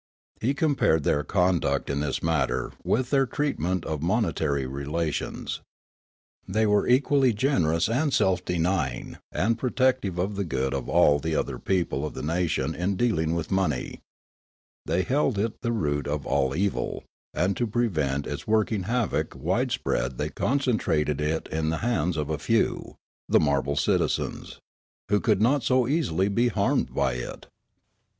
He compared their conduct in this matter with their treatment of monetary relations. Thej were equally generous and self deny ing and protective of the good of all the other people of the nation in dealing with money ; they held it the root of all evil, and to prevent its working havoc wide Freedom and Revolution 109 spread they concentrated it in the hands of a few, — the marble citizens, — who could not so easily be harmed by it.